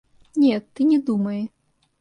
Нет, ты не думай.